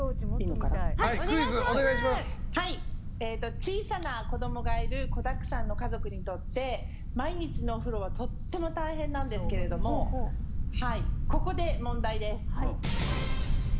小さな子供がいる子だくさんの家族にとって毎日のお風呂はとっても大変なんですけどここで問題です。